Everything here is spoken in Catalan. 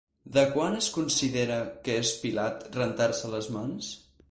De quan es considera que és Pilat rentant-se les mans?